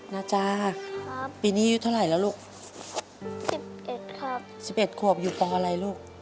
นาจาครับปีนี้อายุเท่าไหร่แล้วลูกสิบเอ็ดครับสิบเอ็ดขวบอยู่ปอะไรลูก